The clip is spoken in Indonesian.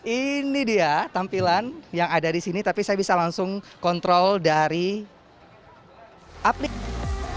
ini dia tampilan yang ada di sini tapi saya bisa langsung kontrol dari aplikasi